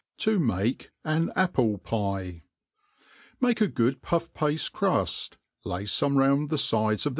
To m^ie an Appt^ fie. MA^E a ^ood puflF pafte cruft, lay fome round th^ fides of